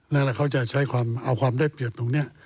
แล้วเขาจะใช้ความเอาความได้เปรียบตรงนี้